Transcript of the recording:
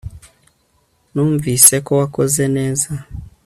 numvise ko wakoze neza